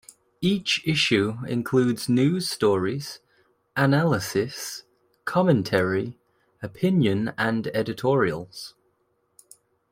Each issue includes news stories, analysis, commentary, opinion and editorials.